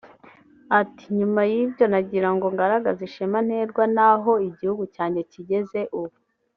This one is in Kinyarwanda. Ati “ Nyuma y'ibyo nagirango ngaragaze ishema nterwa naho igihugu cyanjye kigeze ubu